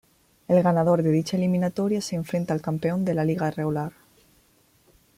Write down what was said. El ganador de dicha eliminatoria se enfrenta al campeón de la liga regular.